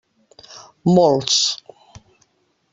Molts.